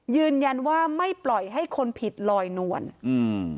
ยืนยันว่าไม่ปล่อยให้คนผิดลอยนวลอืม